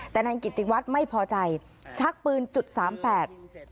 แต่นายกิติวัฒน์ไม่พอใจชักปืนจุดสามแปด